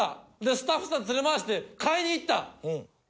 スタッフさん連れ回して買いに行った。